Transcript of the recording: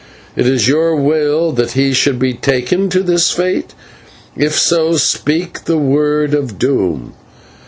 Is it your will that he should be taken to his fate? If so, speak the word of doom."